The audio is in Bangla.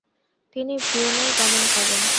তিনি ভিয়েনায় গমন করেন।